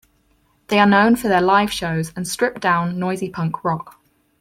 They are known for their live shows and stripped-down noisy punk rock.